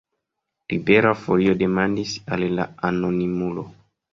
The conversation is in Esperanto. Libera Folio demandis al la anonimulo.